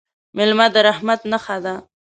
مېلمه د رحمت نښه ده.